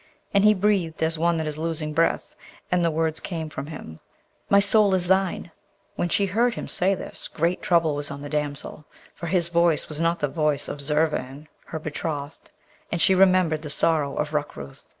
And he breathed as one that is losing breath, and the words came from him, 'My soul is thine!' When she heard him say this, great trouble was on the damsel, for his voice was not the voice of Zurvan her betrothed; and she remembered the sorrow of Rukrooth.